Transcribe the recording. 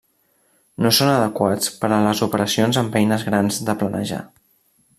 No són adequats per a les operacions amb eines grans de planejar.